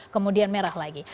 kemudian merah lagi